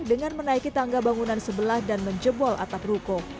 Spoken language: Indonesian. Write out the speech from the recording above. dengan menaiki tangga bangunan sebelah dan menjebol atap ruko